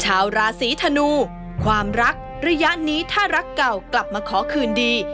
ชาวราศีธนูความรักระยะนี้ถ้ารักเก่ากลับมาขอคืนดี